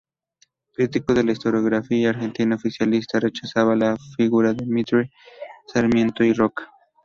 Crítico de la historiografía argentina oficialista, rechazaba la figura de Mitre, Sarmiento y Roca.